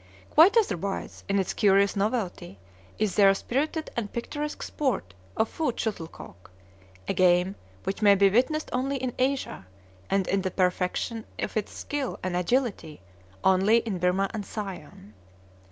Quite otherwise, in its curious novelty, is their spirited and picturesque sport of foot shuttlecock, a game which may be witnessed only in Asia, and in the perfection of its skill and agility only in Birmah and Siam.